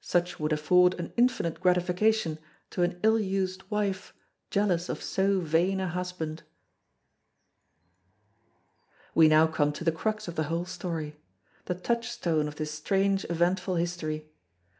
Such would afford an infinite gratification to an ill used wife jealous of so vain a husband. [Illustration: THE DUKE OF RICHMOND] We now come to the crux of the whole story the touchstone of this strange eventful history.